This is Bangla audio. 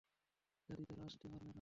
দাদী, তারা আসতে পারবে না।